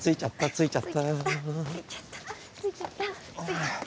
着いちゃった。